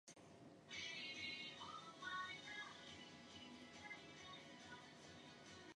In later years, he was heavily involved in charity work.